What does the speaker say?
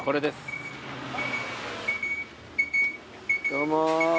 どうも。